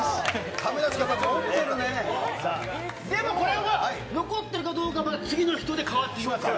亀梨君、でもこれは、残ってるかどうかは、次の人で変わってきますから。